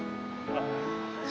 ああ。